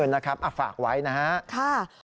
ค่ะค่ะค่ะเอาฝากไว้นะฮะค่ะ